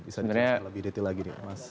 bisa jelaskan lebih detail lagi nih mas